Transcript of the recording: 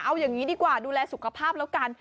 เอาอย่างนี้ดีกว่าดูแลสุขภาพแล้วกัน